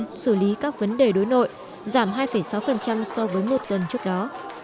đã giải thích các vấn đề đối nội giảm hai sáu so với một tuần trước đó